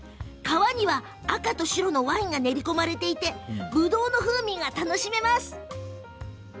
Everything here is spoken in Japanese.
皮には、赤と白のワインが練り込まれていてぶどうの風味が楽しめるんですね。